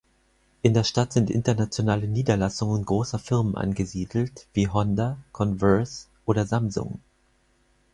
In der Stadt sind internationale Niederlassungen großer Firmen angesiedelt, wie Honda, Converse oder Samsung.